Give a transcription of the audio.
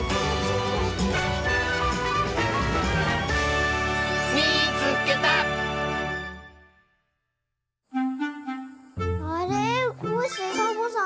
もうコッシーサボさん。